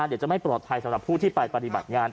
เดี๋ยวจะไม่ปลอดภัยสำหรับผู้ที่ไปปฏิบัติงาน